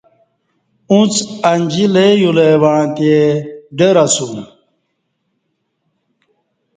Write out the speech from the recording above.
اُݩڅ انجی لئ یولہ وعݩتے ڈر اسوم